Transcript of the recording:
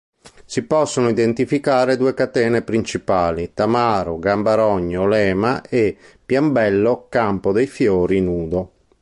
Si possono identificare due catene principali: Tamaro-Gambarogno-Lema e Piambello-Campo dei Fiori-Nudo.